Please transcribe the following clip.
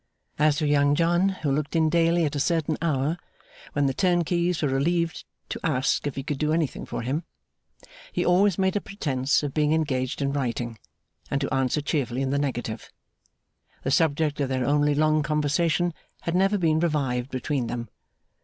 As to Young John, who looked in daily at a certain hour, when the turnkeys were relieved, to ask if he could do anything for him; he always made a pretence of being engaged in writing, and to answer cheerfully in the negative. The subject of their only long conversation had never been revived between them.